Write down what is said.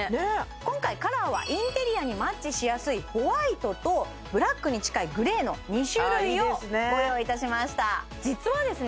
今回カラーはインテリアにマッチしやすいホワイトとブラックに近いグレーの２種類をご用意いたしました実はですね